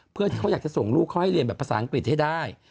เพื่อที่เขาอยากจะส่งลูกเขาให้เรียนแบบภาษาอังกฤษให้ได้